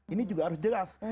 ini juga harus jelas